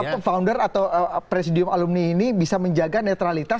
bagaimana founder atau presidium alumni ini bisa menjaga neutralitas